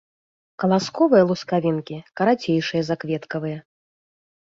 Каласковыя лускавінкі карацейшыя за кветкавыя.